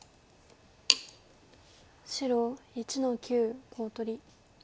白１の九コウ取り。